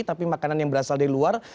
tapi makanan yang berasal dari luar